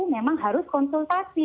memang harus konsultasi